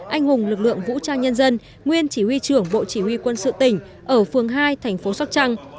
anh hùng lực lượng vũ trang nhân dân nguyên chỉ huy trưởng bộ chỉ huy quân sự tỉnh ở phường hai thành phố sóc trăng